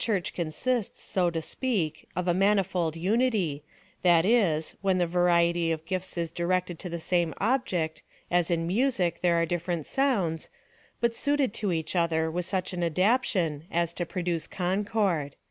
the Cliurcli^ consists, so to speak, of a manifold unity,^ that is, when the variety of gifts is directed to the same object, as in music there are different sounds, but suited to each other with such an adaptation, as to produce concord.